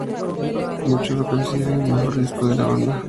Muchos lo consideran el mejor disco de la banda.